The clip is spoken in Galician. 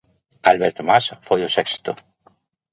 Albert Mas foi o sexto.